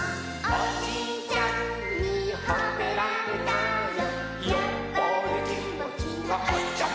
「おばあちゃんにほめられたよ」